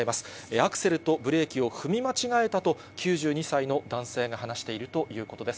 アクセルとブレーキを踏み間違えたと、９２歳の男性が話しているということです。